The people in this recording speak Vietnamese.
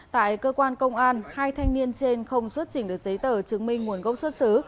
tại cơ quan công an hai thanh niên trên không xuất chỉnh được giấy tờ chứng minh nguồn gốc số